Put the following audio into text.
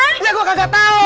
iya gua kagak tau